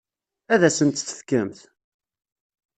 Ad asent-tt-tefkemt?